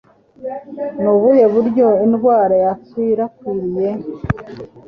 Ni ubuhe buryo indwara yakwirakwiriye?